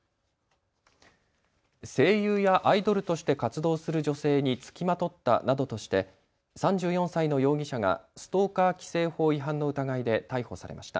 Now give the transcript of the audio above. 声優やアイドルとして活動する女性に付きまとったなどとして３４歳の容疑者がストーカー規制法違反の疑いで逮捕されました。